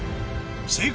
正解！